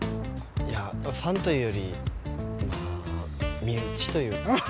いやファンというよりまあ身内というか。